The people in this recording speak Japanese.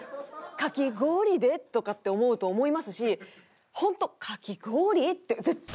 かき氷で？とかって思うと思いますし本当かき氷？って絶対。